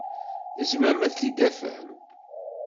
Tzemrem ad t-id-tafem?